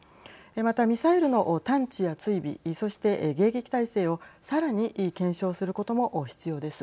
また、ミサイルの探知や追尾そして迎撃態勢をさらに検証することも必要です。